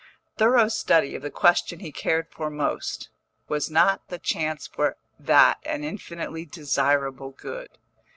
Thorough study of the question he cared for most was not the chance for that an infinitely desirable good?